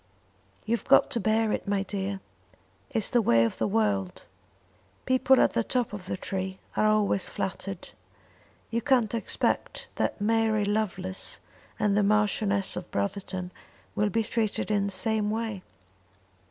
"You've got to bear it, my dear. It's the way of the world. People at the top of the tree are always flattered. You can't expect that Mary Lovelace and the Marchioness of Brotherton will be treated in the same way."